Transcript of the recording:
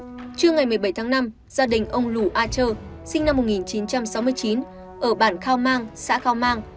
trước ngày một mươi bảy tháng năm gia đình ông lù a trơ sinh năm một nghìn chín trăm sáu mươi chín ở bản khao mang xã khao mang